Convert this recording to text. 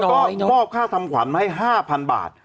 ก็มอบค่าทำขวัญมาให้๕๐๐๐บาท